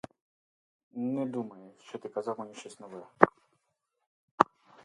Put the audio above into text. Не думай, що ти сказав мені щось нове.